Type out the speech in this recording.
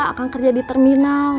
akang kerja di terminal